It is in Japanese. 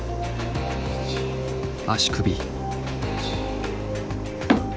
足首。